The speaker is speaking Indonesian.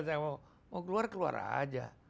saya mau keluar keluar aja